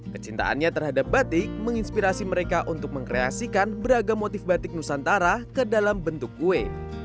kecintaannya terhadap batik menginspirasi mereka untuk mengkreasikan beragam motif batik nusantara ke dalam bentuk kue